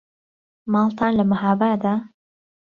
ماڵتان لە مەهابادە؟